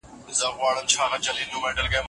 د علم او پوهې ارزښت